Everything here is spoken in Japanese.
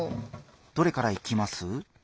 どれからいきます？